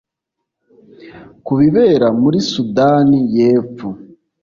ku bibera muri Sudani y’Epfo